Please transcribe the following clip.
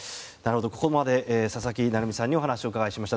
ここまで佐々木成三さんにお話を伺いました。